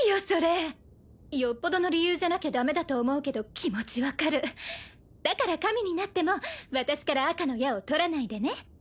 それよっぽどの理由じゃなきゃダメだと思うけど気持ち分かるだから神になっても私から赤の矢を取らないでね